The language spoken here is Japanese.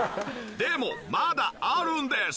でもまだあるんです！